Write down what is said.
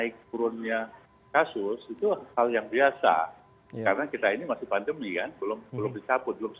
ini secarazzr tidak bergantung